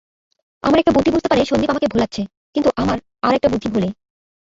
আমার একটা বুদ্ধি বুঝতে পারে সন্দীপ আমাকে ভোলাচ্ছে, কিন্তু আমার আর-একটা বুদ্ধি ভোলে।